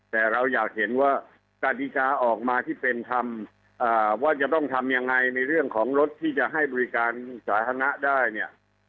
แต่เราอยากเห็นว่ากฎิกาออกมาที่เป็นธรรมว่าจะต้องทำยังไงในเรื่องของรถที่จะให้บริการสาธารณะได้เนี่ย